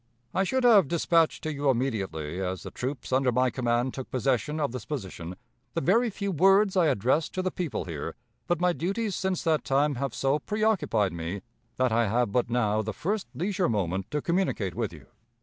"I should have dispatched to you immediately, as the troops under my command took possession of this position, the very few words I addressed to the people here; but my duties since that time have so preoccupied me, that I have but now the first leisure moment to communicate with you.